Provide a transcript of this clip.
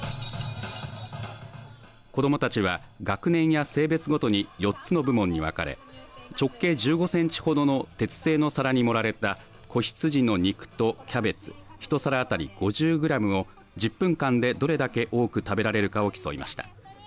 子どもたちは学年や性別ごとに４つの部門に分かれ直径１５センチほどの鉄製の皿に盛られた子羊の肉とキャベツ１皿当たり５０グラムを１０分間でどれだけ多く食べれるかを競いました。